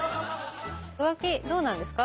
浮気どうなんですか？